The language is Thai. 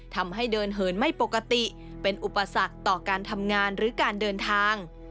ทำให้เดินเหินไม่ปกติเป็นอุปสรรคต่อการทำงานหรือการเดินทาง